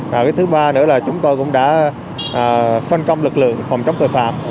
và cái thứ ba nữa là chúng tôi cũng đã phân công lực lượng phòng chống tội phạm